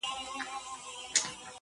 نن مي بيا ټوله شپه ـ